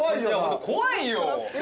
怖いよ！